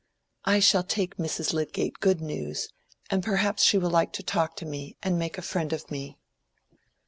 "I shall take Mrs. Lydgate good news, and perhaps she will like to talk to me and make a friend of me."